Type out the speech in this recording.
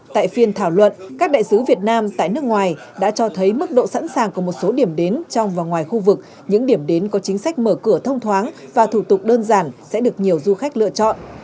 tại phiên thảo luận các đại sứ việt nam tại nước ngoài đã cho thấy mức độ sẵn sàng của một số điểm đến trong và ngoài khu vực những điểm đến có chính sách mở cửa thông thoáng và thủ tục đơn giản sẽ được nhiều du khách lựa chọn